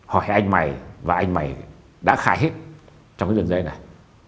hỏi anh mày và anh mày đã khai hết trong cái đường dây này